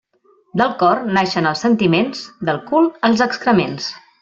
Del cor naixen els sentiments, del cul els excrements.